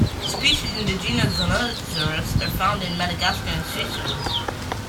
Species in the genus "Zonosaurus" are found in Madagascar and Seychelles.